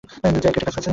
যাই, গেইটে কাজ আছে।